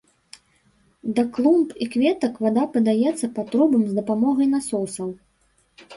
Да клумб і кветак вада падаецца па трубам з дапамогай насосаў.